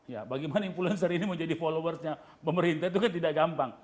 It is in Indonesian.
ya bagaimana influencer ini menjadi followersnya pemerintah itu kan tidak gampang